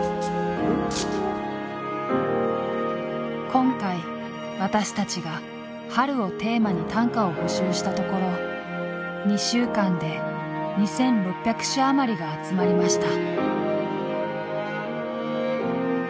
今回私たちが「春」をテーマに短歌を募集したところ２週間で２，６００首余りが集まりました。